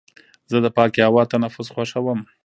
زه د پاکې هوا تنفس خوښوم.